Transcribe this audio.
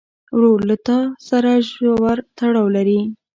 ورور له تا سره ژور تړاو لري.